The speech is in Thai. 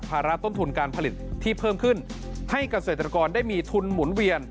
โปรดติดตามต่อไป